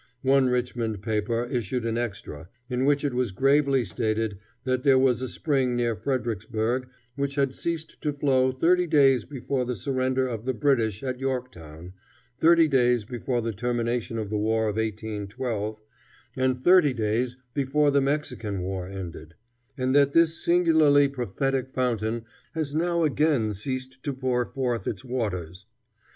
One Richmond paper issued an extra, in which it was gravely stated that there was a spring near Fredericksburg which had ceased to flow thirty days before the surrender of the British at Yorktown, thirty days before the termination of the war of 1812, and thirty days before the Mexican war ended; and that "this singularly prophetic fountain has now again ceased to pour forth its waters."